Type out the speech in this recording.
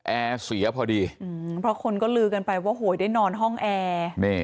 แอร์เสียพอดีอืมเพราะคนก็ลือกันไปว่าโหยได้นอนห้องแอร์